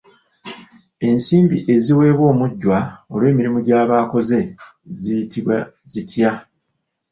Ensimbi eziweebwa omujjwa olw'emirimu gyaba akoze ziyitibwa zitya?